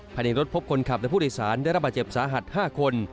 ภายในรถพบคนขับและผู้โดยสารได้รับบาดเจ็บสาหัส๕คน